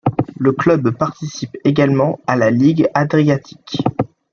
Le club participe également à la ligue adriatique.